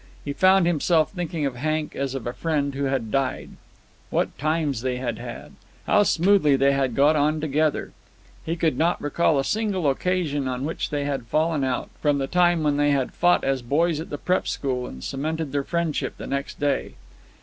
He found himself thinking of Hank as of a friend who had died. What times they had had! How smoothly they had got on together! He could not recall a single occasion on which they had fallen out, from the time when they had fought as boys at the prep. school and cemented their friendship the next day.